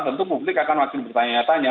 tentu publik akan makin bertanya tanya